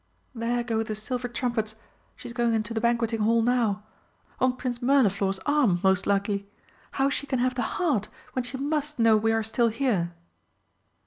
There go the silver trumpets! She's going into the Banqueting Hall now. On Prince Mirliflor's arm, most likely! How she can have the heart when she must know we are still here!"